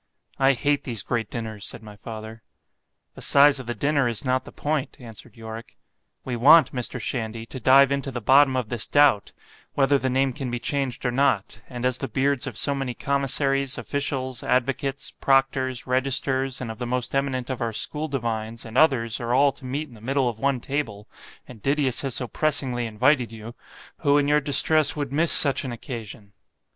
I hate these great dinners——said my father—The size of the dinner is not the point, answered Yorick——we want, Mr. Shandy, to dive into the bottom of this doubt, whether the name can be changed or not—and as the beards of so many commissaries, officials, advocates, proctors, registers, and of the most eminent of our school divines, and others, are all to meet in the middle of one table, and Didius has so pressingly invited you—who in your distress would miss such an occasion?